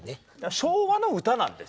昭和の歌なんですよ。